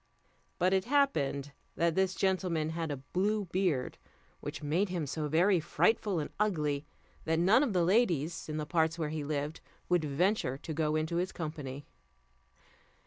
But it happened that this gentleman had a blue beard, which made him so very frightful and ugly, that none of the ladies, in the parts where he lived, would venture to go into his company.